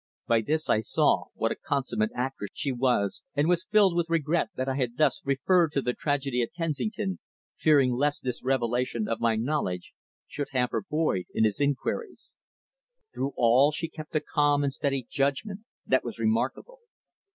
By this I saw what a consummate actress she was, and was filled with regret that I had thus referred to the tragedy at Kensington, fearing lest this revelation of my knowledge should hamper Boyd in his inquiries. Through all she kept a calm and steady judgment that was remarkable.